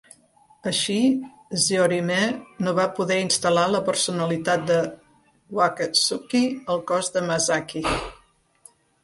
Així, Zeorymer no va poder instal·lar la personalitat de Wakatsuki al cos de Masaki.